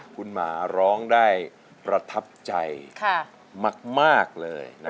คุณหมาร้องได้ประทับใจมากเลย